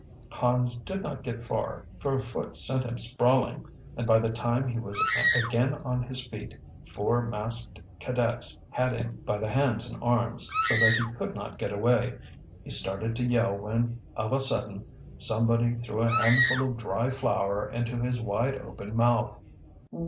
Hans did not get far, for a foot send him sprawling, and by the time he was again on his feet four masked cadets had him by the hands and arms, so that he could not get away. He started to yell when of a sudden somebody threw a handful of dry flour into his wide open mouth.